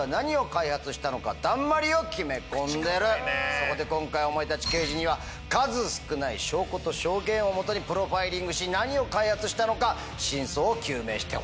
そこで今回お前たち刑事には数少ない証拠と証言をもとにプロファイリングし何を開発したのか真相を究明してほしい。